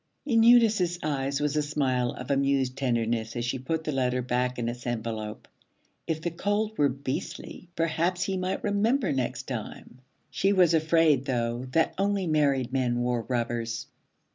In Eunice's eyes was a smile of amused tenderness as she put the letter back in its envelope. If the cold were 'beastly,' perhaps he might remember next time. She was afraid though that only married men wore rubbers.